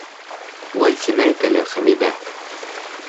— Улай тимәйек әле, Хәмиҙә.